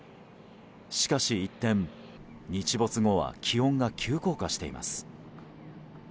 しかし一転、日没後は気温が急降下しています。